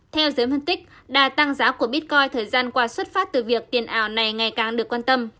theo giới phân tích đà tăng giá của bitcoin thời gian qua xuất phát từ việc tiền ảo này ngày càng được quan tâm